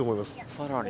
さらに。